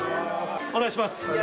お願いします